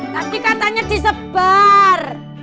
tapi katanya disebar